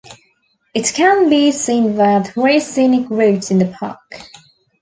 It can be seen via three scenic routes in the park.